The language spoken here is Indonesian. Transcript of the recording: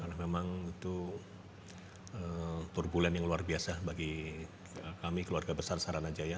karena memang itu turbulent yang luar biasa bagi kami keluarga besar saranajaya